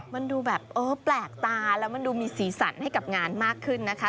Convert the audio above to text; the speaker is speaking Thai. มันดูแบบเออแปลกตาแล้วมันดูมีสีสันให้กับงานมากขึ้นนะคะ